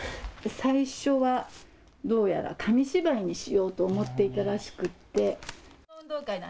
最初はどうやら紙芝居にしようと思っていたらしくって。